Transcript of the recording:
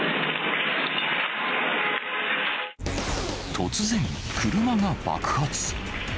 突然、車が爆発。